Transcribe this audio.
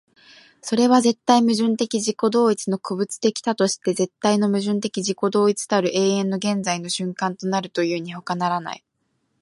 それは絶対矛盾的自己同一の個物的多として絶対の矛盾的自己同一たる永遠の現在の瞬間となるというにほかならない。